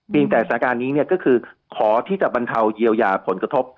แต่สถานการณ์นี้ก็คือขอที่จะบรรเทาเยียวยาผลกระทบ